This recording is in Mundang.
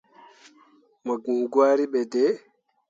Mo giŋ gwari ɓe dai.